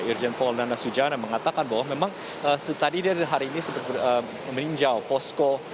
irjen paul nanasujana mengatakan bahwa memang tadi dari hari ini seperti meninjau posko